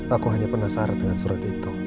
aku hanya penasaran dengan surat itu